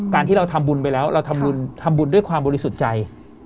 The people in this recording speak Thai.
ที่เราทำบุญไปแล้วเราทำบุญด้วยความบริสุทธิ์ใจ